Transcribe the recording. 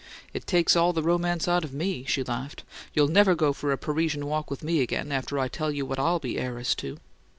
"It takes all the romance out of ME," she laughed. "You'll never go for a Parisian walk with me again, after I tell you what I'll be heiress to."